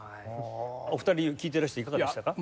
お二人聴いていらしていかがでしたか？